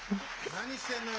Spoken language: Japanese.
何してんのよ！